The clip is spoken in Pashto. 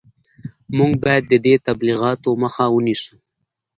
موږ باید د دې تبلیغاتو مخه ونیسو